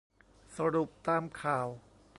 สรุปตามข่าว